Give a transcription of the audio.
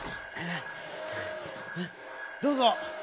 どうぞ。